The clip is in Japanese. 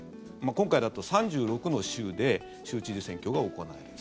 今回だと３６の州で州知事選挙が行われる。